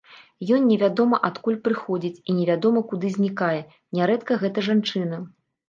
Ён невядома адкуль прыходзіць і невядома куды знікае, нярэдка гэта жанчына.